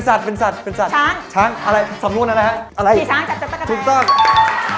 สัตว์เป็นสัตว์ช้างช้างอะไรสำนวนนั่นแหละอะไรจับตั๊กไต้